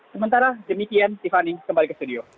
sementara demikian tiffany kembali ke studio